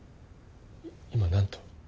今何と？